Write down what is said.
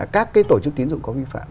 các cái tổ chức tín dụng có vi phạm